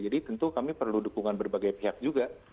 jadi tentu kami perlu dukungan berbagai pihak juga